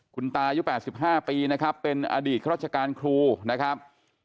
คุณตายุ๘๕ปีนะครับเป็นอดีตข้าราชการครูนะครับ